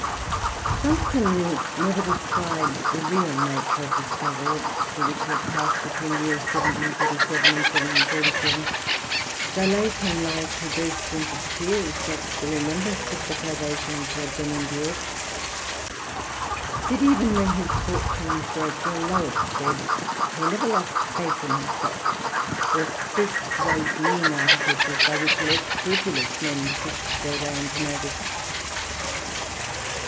Johnson never described the real nature of the struggle through which he passed between the years 1737 and 1747, though late in life he burst into tears at the re membrance of the privations he had then endured. . Yet even when his fortunes were at their lowest ebb he never lost faith in himself, or stooped to those mean artifices by which less scrupulous men pushed their way into notice.